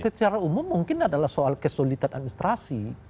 secara umum mungkin adalah soal kesulitan administrasi